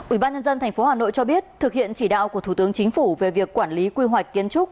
ủy ban nhân dân tp hà nội cho biết thực hiện chỉ đạo của thủ tướng chính phủ về việc quản lý quy hoạch kiến trúc